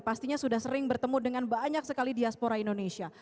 pastinya sudah sering bertemu dengan banyak sekali diaspora indonesia